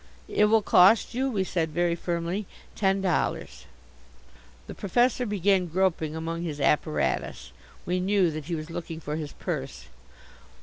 "It will cost you," we said very firmly, "ten dollars." The Professor began groping among his apparatus. We knew that he was looking for his purse.